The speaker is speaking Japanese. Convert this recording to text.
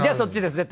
絶対